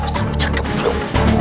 saya bisa kebuk